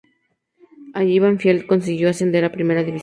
Allí Banfield consiguió ascender a Primera División.